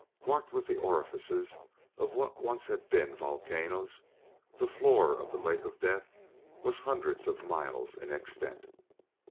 Marked with the orifices of what once had been volcanoes, the floor of that Lake of Death was hundreds of miles in extent.